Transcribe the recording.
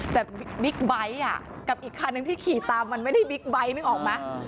แต่บิ๊กไบท์กับอีกคันนึงที่ขี่ตามมันไม่ได้บิ๊กไบท์นึกออกไหม